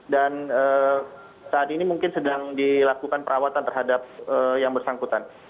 dan saat ini mungkin sedang dilakukan perawatan terhadap yang bersangkutan